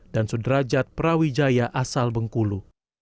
dan sudrajat prawijaya asal bengkulu